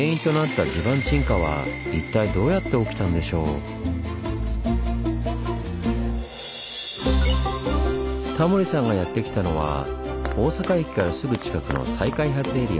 その原因となったタモリさんがやって来たのは大阪駅からすぐ近くの再開発エリア。